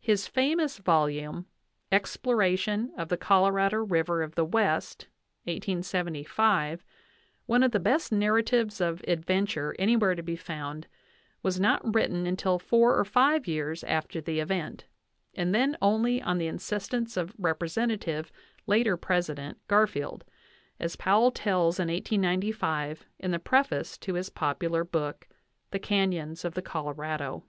His famous volume, "Exploration of the Colorado River of the West," 1875, one of the best narratives of adventure anywhere to be found, was not written until four or five years after the event, and then only on the insistence of Representative (later President) Garfield, as Powell tells in 1895 in the preface to his popular book, "The Canyons of the Colorado."